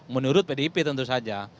menurut pdip tentu saja